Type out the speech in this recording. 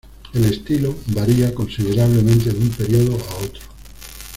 El estilo varía considerablemente de un periodo a otro.